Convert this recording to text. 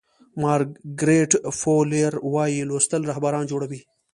مارګریت فو لیر وایي لوستل رهبران جوړوي.